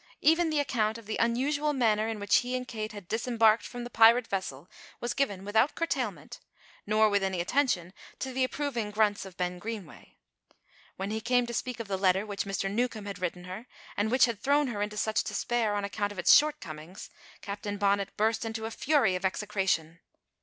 Even the account of the unusual manner in which he and Kate had disembarked from the pirate vessel was given without curtailment, nor with any attention to the approving grunts of Ben Greenway. When he came to speak of the letter which Mr. Newcombe had written her, and which had thrown her into such despair on account of its shortcomings, Captain Bonnet burst into a fury of execration.